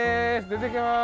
出てきます。